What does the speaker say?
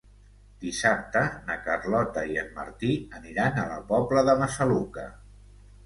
Dissabte na Carlota i en Martí aniran a la Pobla de Massaluca.